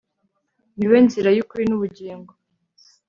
niwe nzira yukuri nubugingo